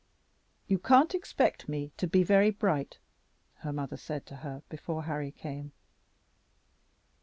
"You can't expect me to be very bright," her mother said to her before Harry came.